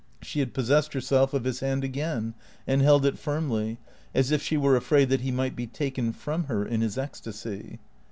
She had possessed herself of his hand again and held it firmly, as if she were afraid that he might be taken from her in his ecstasy.